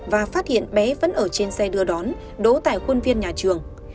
và phát hiện bé vẫn ở trên xe đưa đón đỗ tại khuôn viên nhà trường